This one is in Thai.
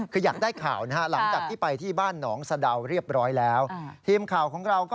คือยากได้ข่าว